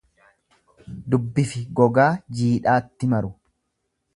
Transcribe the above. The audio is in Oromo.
Dubbifi gogaa jiidhaatti maru.